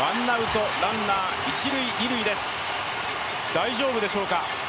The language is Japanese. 大丈夫でしょうか？